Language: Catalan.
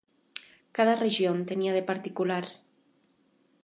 Cada regió en tenia de particulars.